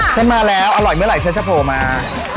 ฉันมาแล้วอร่อยเมื่อไหร่ฉันจะโผล่มา